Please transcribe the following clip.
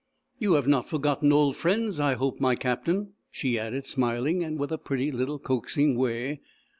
"You have not forgotten old friends, I hope, my Captain?" she added, smiling and with a pretty little coaxing way.